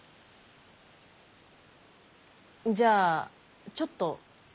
んじゃちょっと。